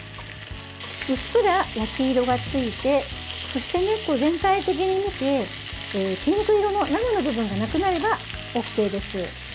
うっすら焼き色がついてそして、全体的に見てピンク色の生の部分がなくなればＯＫです。